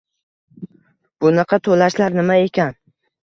Bunaqa to‘lashlar nima ekan